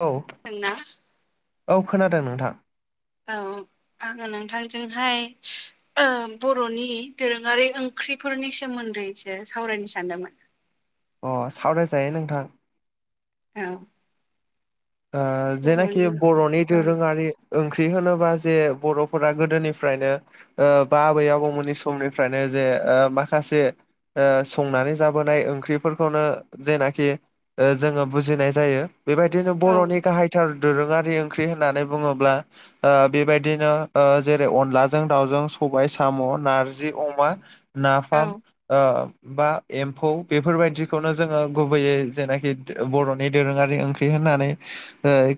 औ दोंना औ खोनादों नोंथां औ आङो नोंथांजोंहाय बर'नि दोरोङारि ओंख्रिफोरनि सोमोन्दैसो सावरायनो सानदोंमोन अ सावरायजायो नोंथां औ जेनाखि बर'नि बर'नि औ दोरोङारि ओंख्रि होनोबा जे बर'फोरा गोदोनिफ्रायनो बा आबै आबौमोननि समनिफ्रायनो जे माखासे संनानै जाबोनाय ओंख्रिफोरखौनो जेनाखि जोङो बुजिनाय जायो बेबायदिनो औ बर'नि गाहाय थार दोरोङारि ओंख्रि होननानै बुङोब्ला ओ बेबायदिनो ओ जेरै अनलाजों दाउजों सबाय साम' नारजि अमा नाफाम औ ओ बा एम्फौ बेफोरबायदिखौनो जोङो गुबैयै जेनाखि बर'नि दोरोङारि ओंख्रि होननानै ओ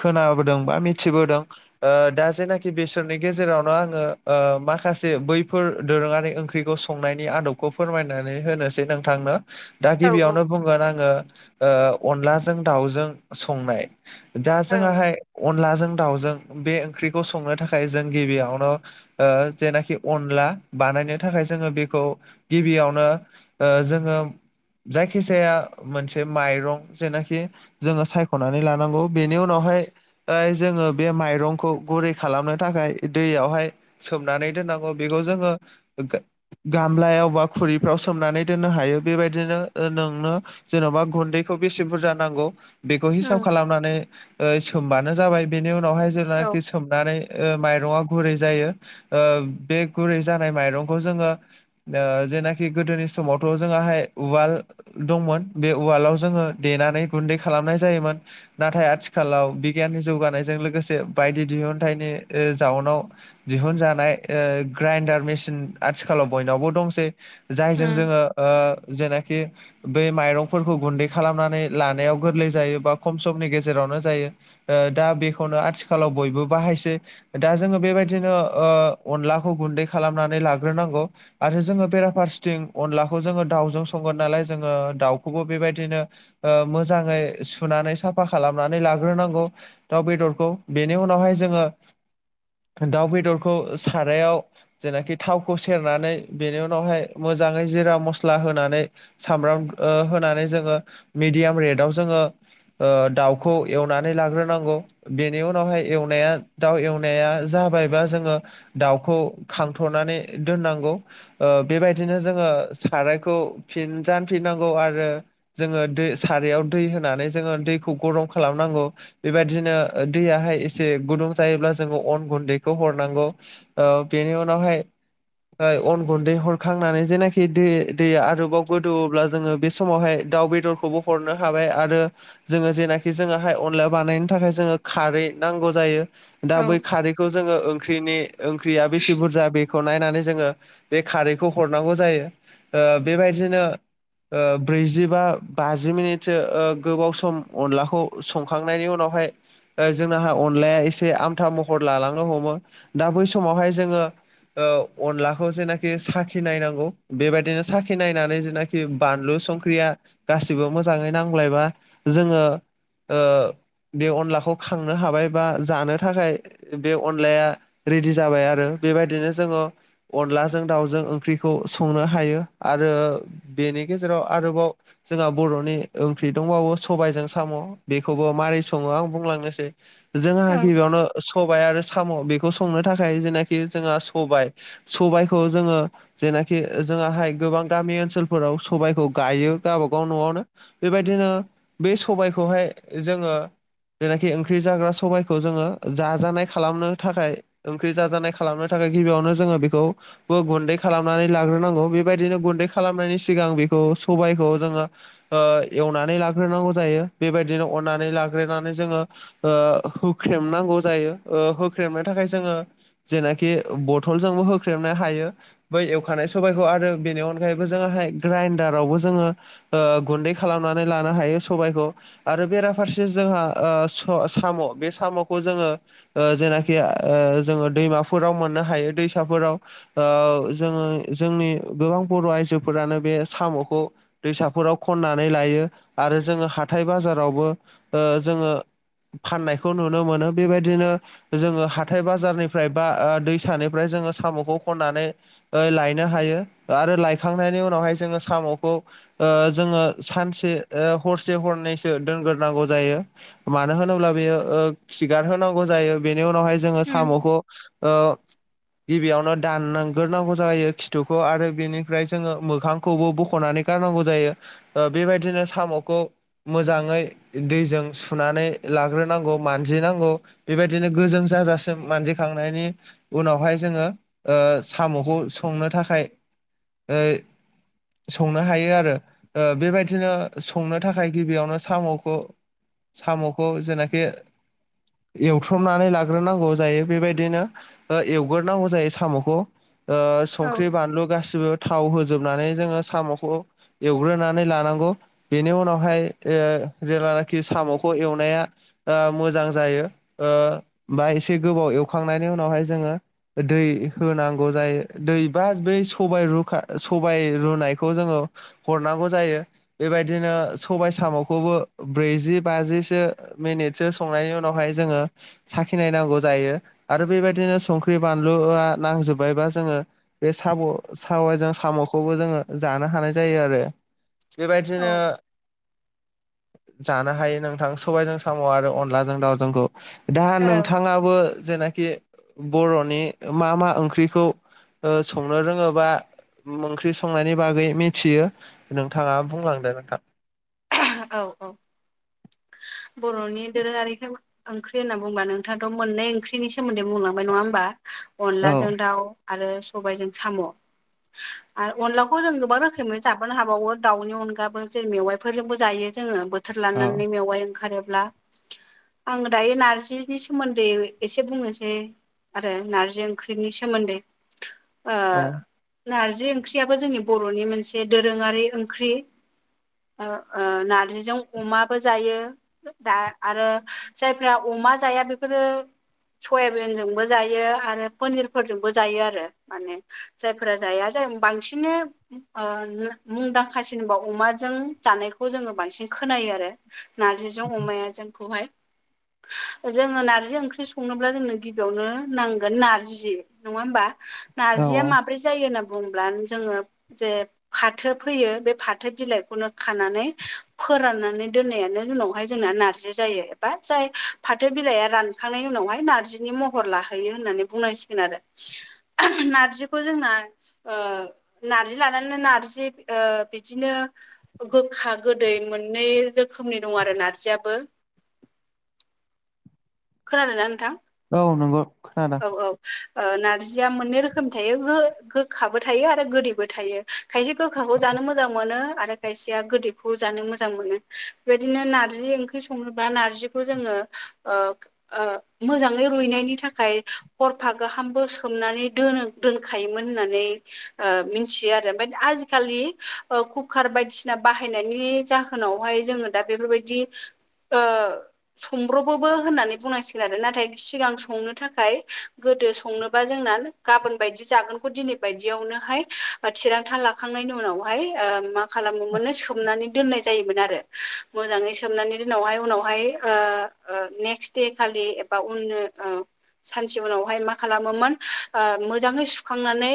खोनाबोदों बा मिथिबोदों। ओ दा जेनाखि बेसोरनि गेजेरावनो आङो ओ माखासे बैफोर दोरोङारि ओंख्रिखौ संनायनि आदबखौ फोरमायनानै होनोसै नोंथांनो। दा औ गिबियावनो बुंगोन आङो ओ अनलाजों दाउजों संनाय। दा औ जोंहाहाय अनलाजों दाउजों बे ओंख्रिखौ संनो थाखाय जों गिबियावनो ओ जेनाखि अनला बानायनो थाखाय जोङो बेखौ गिबियावनो ओ जोङो जायखि जाया मोनसे माइरं जेनाखि जोङो सायख'नानै लानांगौ बेनि उनावहाय ओमफाय जोङो बे माइरंखौ गुरै खालामनो थाखाय दैयावहाय सोमनानै दोननांगौ बेखौ जोङो गामलायाव बा खुरिफ्राव सोमनानै दोननो हायो। बेबायदिनो नोंनो जेन'बा गुन्दैखौ बेसे बुरजा नांगौ बेखौ हिसाब उम खालामनानै ओ सोमबानो जाबाय बेनि उनावहाय औ जेब्लानाखि नानै माइरं ओ गुरै जायो ओ बे गुरै जानाय माइरंखौ जोङो ओ जेनाखि गोदोनि समावथ' जोंहाहाय उवाल दंमोन बे उवालाव जोङो देनानै गुन्दै खालामनाय जायोमोन। नाथाय आथिखालाव बिगियाननि जौगानायजों लोगोसे बायदि दिहुनथाइनि जाउनाव दिहुनजानाय ओ ग्राइन्दार मेसिन आथिखालाव बयनावबो दंसै। जायजों उम जोङो ओ जेनाखि बै माइरंफोरखौ गुन्दै खालामनानै लानायाव गोरलै जायो बा खम समनि गेजेरावनो जायो। ओ दा बेखौनो आथिखालाव बयबो बाहायसै। दा जोङो बेबायदिनो ओ अनलाखौ गुन्दै खालामनानै लाग्रोनांगौ। आरो जोङो बेराफारसेथिं अनलाखौ जोङो दाउजों संगोन नालाय जोङो दाउखौबो बेबायदिनो ओ मोजाङै सुनानै साफा खालामनानै लाग्रोनांगौ। दाउ बेदरखौ बेनि उनावहाय जोङो दाउ बेदरखौ सारायाव जेनाखि थावखौ सेरनानै बेनि उनावहाय मोजाङै जिरा मस्ला होनानै सामब्राम ओ होनानै जोङो मेडियाम रेटआव जोङो ओ दाउखौ एवनानै लाग्रोनांगौ। बेनि उनावहाय एवनाया दाउ एवनाया जाबायबा जोङो दाउखौ खांथ'नानै दोननांगौ ओ बेबायदिनो जोङो सारायखौ फिनजानफिननांगौ आरो जोङो दै सारायाव दै होनानै जोङो दैखौ गरम खालामनांगौ। बेबायदिनो दैयाहाय एसे गुदुं जायोब्ला जोङो अन गुन्दैखौ हरनांगौ। ओ बेनि उनावहाय अन गुन्दै हरखांनानै जेनाखि दै दैया आरोबाव गोदौवोब्ला जोङो बे समावहाय दाउ बेदरखौबो हरनो हाबाय आरो जोङो जेनाखि जोङोहाय अनला बानायनो थाखाय जोङो खारै नांगौ जायो। दा औ बै खारैखौ जोङो ओंख्रिनि ओंख्रिया बेसे बुरजा बे खौ नायनानै जोङो बे खारैखौ हरनांगौ जायो। ओ बेबायदिनो ओ ब्रैजि बा बाजि मिनिटसो गोबाव सम अनलाखौ संखांनायनि उनावहाय जोंहा अनलाया एसे आमथा महर लालांनो हमो दा बै समावहाय जोङो ओ अनलाखौ जेनाखि साखि नायनांगौ बेबायदिनो साखि नायनानै जेनाखि बानलु संख्रिया गासैबो मोजाङै नांबायब्ला जोङो ओ बे अनलाखौ खांनो हाबाय बा जानो थाखाय बे अनलाया रेडि जाबाय आरो बेबायदिनो जोङो अनलाजों दाउजों ओंख्रिखौ संनो हायो। आरो बेनि गेजेराव आरोबाव जोंहा बर'नि ओंख्रि दंबावो सबायजों साम' बेखौबो मारै सङो आं बुंलांनोसै। जोंहा औ गिबियावनो सबायाइ आरो साम' बेखौ संनो थाखाय जेनाखि जोंहा सबाय सबायाइखौ जोङो जेनाखि जोङोहाय गोबां गामि ओनसोलफोराव सबायाइखौ गायो। गावबागाव न'आवनो बेबायदिनो बे सबायखौहाय जोङो जेनाखि ओंख्रि जाग्रा सबायखौ जोङो जाजानाय खालामनो थाखाय ओंख्रि जाजानाय खालामनो थाखाय गिबियावनो जोङो बेखौ गुन्दै खालामनानै लाग्रोनांगौ बेबायदिनो गुन्दै खालामनायनि सिगां बेखौ सबायखौ जोङो ओ एवनानै लाग्रोनांगौ जायो बेबायदिनो अननानै लाग्रोनानै जोङो ओ होख्रेमनांगौ जायो होख्रेमनो थाखाय जोङो जेनाखि बथलजोंबो होख्रेबनो हायो बै एवखानाय सबायखौ आरो बेनि अनगायैबो जोङोहाय ग्राइनडारावबो जोङो गुन्दै खालामनानै लानो हायो सबायखौ आरो बेराफारसे जोंहा साम' बे साम'खौ जोङो जेनाखि जोङो दैमाफोराव मोननो हायो दैसाफोराव ओ जोङो जोंनि गोबां बर' आइजोफोरानो बे साम'खौ दैसाफोराव खननानै लायो आरो जोङो हाथाय बाजारावबो ओ जोङो फाननायखौ नुनो मोनो बेबायदिनो जोङो हाथाय बाजारनिफ्राय बा दैसानिफ्राय जोङो साम'खौ खननानै लायनो हायो आरो लायखांनायनि उनावहाय जोङो साम'खौ जोङो सानसे हरसे हरनैसो दोनग्रोनांगौ जायो मानो होनोब्ला बेयो खिगार होनांगौ जायो बेनि उनावहाय जोङो उम साम'खौ गिबियावनो दानग्रोनांगौ जायो खिथुखौ आरो बेनिफ्राय जोङो मोखांखौबो बख'नानै गारनांगौ ज जायो बेबायदिनो साम'खौ मोजाङै दैजों सुनानै लाग्रोनांगौ मानजिनांगौ बेबायदिनो गोजों जाजासिम मानजिखांनायनि उनावहाय जोङो साम'खौ संनो थाखाय संनो हायो आरो बेबायदिनो संनो थाखाय गिबियावनो साम'खौ साम'खौ जेनाखि एवथ्रमनानै लाग्रोनांगौ जायो बेबायदिनो एवग्रोनांगौ जायो साम'खौ औ संख्रि बानलु गासिबो थाव होजोबनानै जोङो साम'खौ एवग्रोनानै लानांगौ बेनि उनावहाय जेल्लानाखि साम'खौ एवनाया मोजां जायो बा एसे गोबाव एवखांनायनि उनावहाय जोङो दै होनांगौ जायो दैबा बै सबाय रुखा सबाय रुनायखौ जोङो हरनांगौ जायो बेबायदिनो सबाय साम'खौबो ब्रैजि बाजिसो मिनिटसो संनायनि उनावहाय जोङो साखिनाय नांगौ जायो आरो बेबायदिनो संख्रि बानलुआ नांजोब्बायबा जोङो बे साम' सामजों साम'खौबो जोङो जानो हानाय जायो आरो औ बेबायदिनो जानो हायो नोंथां सबायजों साम' आरो अनलाजों दाउजोंखौ दा औ नोंथाङाबो जेनाखि बर'नि मा मा ओंख्रिखौ संनो रोङोबा ओंख्रि संनायनि बागै मिथियो नोंथाङा बुंलांदों नोंथां औ औ बर'नि दोरोङारिफोर ओंख्रि होनना बुंबा नोंथाङाथ' मोननै ओंख्रिनि सोमोन्दै बुंलांबाय नङा होमबा औ अनदलाजों दाउ आरो सबायजों साम' आरो अनलाखौ जों गोबां रोखोमै जाबोनो हाबावो दाउनि अनगाबो जों मेवाइ बेफोरजोंबो जायो जोङो बोथोर औ लानानै मेवाइ ओंखारोब्ला आं दायो नार्जिनि सोमोन्दै एसे बुंनोसै आरो नारजि ओंख्रिनि सोमोन्दै औ नारजि ओंख्रियाबो जोंनि बर'नि मोनसे दोरोङारि ओंख्रि नारजिजों अमाबो जायो दा आरो जायफ्रा अमा जाया बेफोरो सयाबिनजोंबो जायो आरो पनिरफोरजोंबो जायो आरो माने जायफोरा जाया जाय बांसिनै मुंदांखासिनोबा अमाजों जानायखौ जोङो बांसिन खोनायो आरो नारजिजों अमाया जोंखौहाय जोङो नारजि ओंख्रि संनोब्ला जोंनो गिबियावनो नांगोन नारजि नङा होमबा औ नारजिया माब माब्रै जायो होनना बुंब्लानो जोङो जे फाथो फैयो बे फाथो बिलाइखौनो खानानै फोराननानै दोननायानो उनावहाय जोंना नारजि जायो एबा जाय फाथो बिलाइया रानखांनायनि उनावहाय नारजिनि महर लाहैयो होननानै बुंनांसिगोन आरो नारजिखौ जोंना नार्जि लानानैनो नार्जि बिदिनो गोखा गोदै मोननै रोखोमनि दं आरो नारजियाबो खोनादों ना नोंथां औ नंगौ खोनादों औ ओ नारजिया मोननै रोखोमनि थायो गो-गोखाबो थायो आरो गोदैबो थायो खायसे गोखाखौ जानो मोजां मोनो आरो खायसेया गोदैखौ जानो मोजां मोनो बेबायदिनो नारजि ओंख्रि सङोब्ला नारजिखौ जोङो ओ ओ मोजाङै रुइनायनि थाखाय हरफा गाहामबो सोमनानै दोनो दोनखायोमोन होननानै ओ मोनथियो आरो ओमफ्राय आजिखालि कुकार बायदिसिना बाहायनायनि जा होनावहाय जोङो दा बेफोरबायदि ओ सोमब्रबोबो होननानै बुंनांसिगोन आरो नाथाय सिगां संनो थाखाय गोदो संनोबा जोंना गाबोन बायदि जागोनखौ दिनै बायदियावनोहाय थिरांथा लाखांनायनि उनावहाय ओ मा खालामोमोननो सोमनानै दोननाय जायोमोन आरो मोजाङै सोमनानै दिनावहाय उनावहाय ओ ओ नेक्स्ट दे खालि एबा उनो ओ सानसे उनावहाय मा खालामोमोन ओ मोजाङै सुखांनानै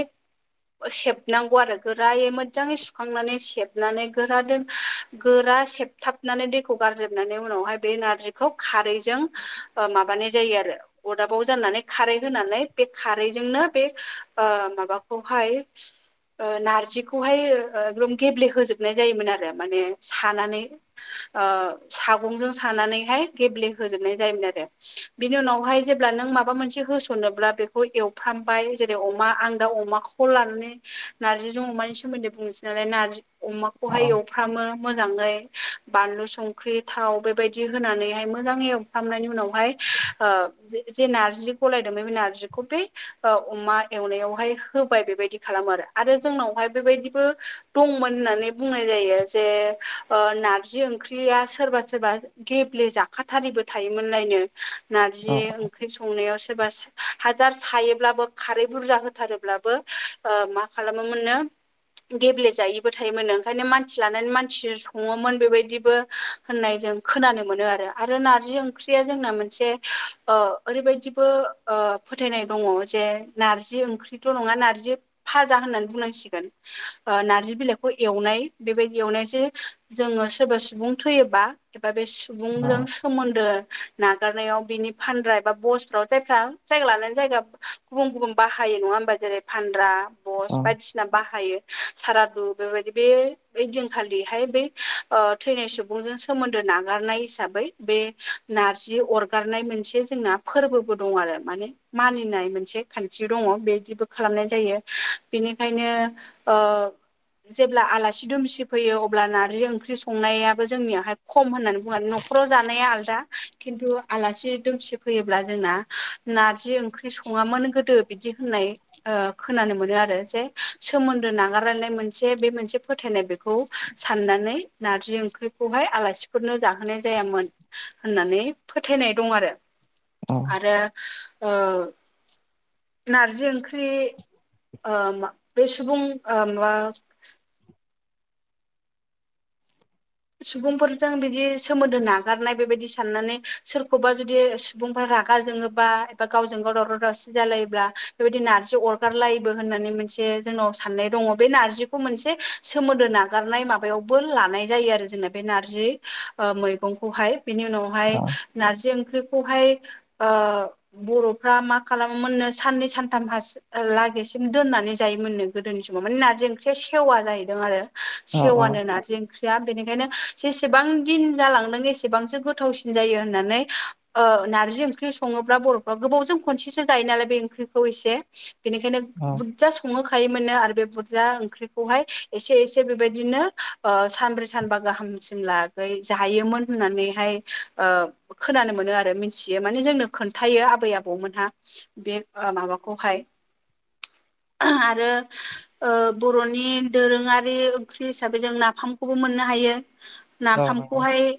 सेबनांगौ आरो गोरायै मोजाङै सुखांनानै सेबनानै गोरादों गोरा सेबथाबनानै दैखौ गारजोबनानै उनावहाय बे नारजिखौ खारैजों ओ माबानाय जायो आरो अरदाबाव जानानै खारै होनानै बे खारैजोंनो बे ओ माबाखौहाय ओ नारजिखौहाय एकदम गेब्लेहोजोबनाय जायोमोन आरो माने सानानै ओ सागंजों सानानैहाय गेब्लेहोजोबनाय जायोमोन आरो बिनि उनावहाय जेब्ला नों माबा मोनसे होसनोब्ला बेखौ एवफामबाय जेरै अमा आं दा अमाखौ खौ लानानै नारजिजों अमानि सोमोन्दै बुंनोसै नालाय नारजि औ अमाखौहाय एवफ्रामो मोजाङै बानलु संख्रि थाव बेबायदि होनानैहाय मोजाङै एव खालामनायनि उनावहाय ओ जे नारजि गलायदोंमोन बे नारजिखौ बे ओ अमा एवनायावहाय होबाय बेबायदि खालामो आरो आरो जोंनावहाय बेबायदिबो दंमोन होननानै बुंनाय जायो जे ओ नारजि ओंख्रिया सोरबा सोरबा गेब्ले जाखाथारिबो थायोमोनलायनो नारजि औ ओंख्रि संनायाव सोरबा हाजार सायोब्लाबो खारै बुरजा होथारोब्लाबो ओ मा खालामोमोननो गेब्लेेजायैबो थायोमोन ओंखायनो मानसि लानानै मानसिजों सङोमोन बेबायदिबो होननाय जों खोनानो मोनो आरो आरो ना जि ओंख्रिया जोंना मोनसे ओरैबायदिबो फोथायनाय दङ जे नार्जि ओंख्रिथ' नङा नार्जि फाजा होननानै बुंनांसिगोन ओ नार्जि बिलाइखौ एवनाय बेबायदि एवनायसो जोङो सोरबा सुबुं थैयोबा एबा बे औ सुबुंजों सोमोन्दो नागारनायाव बिनि फानग्रा एबा बसफ्राव जायफ्रा जायगा लानानै जायगा गुबुन गुबुन बाहायो नङा होमबा जेरै फानद्रा औ बस बायदिसिना सिना बाहायो सारादु बेबायदि बे बै दिनखालिहाय बै ओ थैनाय सुबुंजों सोमोन्दो नागारनाय हिसाबै बे नारजि अरगारनाय मोनसे जोंना फोरबोबो दं आरो माने मानिनाय मोनसे खान्थि दङ बेदिबो खालामनाय जायो बेनिखायनो ओ जेब्ला आलासि दुमसि फैयो अब्ला नारजि ओंख्रि सं संनायाबो जोंनियावहाय खम होननानै बुंनानै न'खराव जानाया आलदा खिन्थु आलासि दुमसि फैयोब्ला जोंना नारजि ओंख्रि सङामोन गोदो बिदि होननाय ओ खोनानो मोनो आरो जे सोमोन्दो नागारलायनाय मोनसे बे मोनसे फोथायनाय बेखौ साननानै नारजि ओंख्रिखौहाय आलासिफोरनो जाहोनाय जायामोन होननानै फोथायनाय दं आरो औ आरो ओ नारजि ओंख्रि ओ बे सुबुं ओ माबा सुबुंफोरजों बिदि सोमोन्दो नागारनाय बेबायदि साननानै सोरखौबा जुदि सुबुंफ्रा रागा जोङोबा एबा गावजों गाव दावराव दावसि जालायोब्ला बेबायदि नारजि अर गारलायोबो होननानै मोनसे जोंनाव साननाय दङ बे नारजिखौ मोनसे सोमोनदो नागारनाय मा माबायावबो लानाय जायो आरो जोंना बे नारजि ओ मैगंखौहाय बिनि उनावहाय नारजि ओंख्रिखौहाय ओ बर'फ्रा मा खालामोमोन नों साननै सानथाम लागैसिम दोननानै जायोमोननो गोदोनि समाव माने नारजि ओंख्रिया सेवा जाहैदों आरो औ औ सेवानो नारजि ओंख्रि बेनिखायनो जेसेबां दिन जालांदों एसेबांसो गोथावसिन जायो होननानै ओ नारजि ओंख्रि सङोब्ला बर'फ्रा गोबावजों खनसेसो जायो नालाय बे ओंख्रिखौ एसे बेनिखायनो बुरजा संहोखायोमोननो आरो बे बुरजा ओंख्रिखौहाय एसे एसे बेबायदिनो सानब्रै सानबा गाहामसिम लागै जायोमोन होननानैहाय ओ खोनानो मोनो आरो मिथियो माने जोंनो खोन्थायो आबै आबौमोनहा बे माबाखौहाय आरो ओ बर'नि दोरोङारि ओंख्रि हिसाबै जों नाफामखौबो मोननो हायो औ नाफामखौहाय